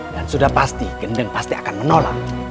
dan sudah pasti gendeng pasti akan menolak